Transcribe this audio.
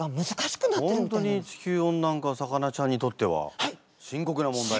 本当に地球温暖化魚ちゃんにとっては深刻な問題。